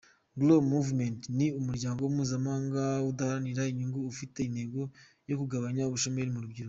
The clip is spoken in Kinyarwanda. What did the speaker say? Grow Movement ni umuryango mpuzamahanga udaharanira inyungu, ufite intego yo kugabanya ubushomeri mu rubyiruko.